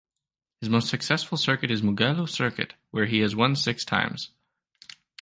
His most successful circuit is Mugello Circuit where he has won six times.